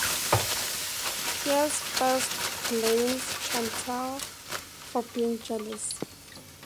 Hearst first blames Chantal for being jealous.